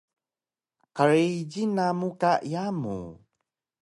qrijil namu ka yamu